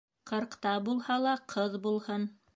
Ҡырҡта булһа ла ҡыҙ булһын.